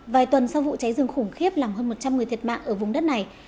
vài tuần sau vụ cháy rừng khủng khiếp làm hơn một trăm linh người thiệt mạng ở vùng đất này